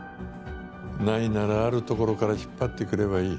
ないならあるところから引っ張ってくればいい。